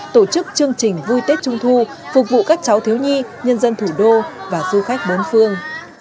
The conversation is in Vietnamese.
tổ chức chương trình vui tết trung thu phục vụ các cháu thiếu nhi nhân dân thủ đô và du khách bốn phương